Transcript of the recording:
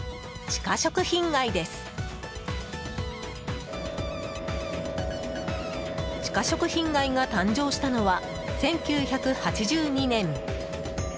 地下食品街が誕生したのは１９８２年。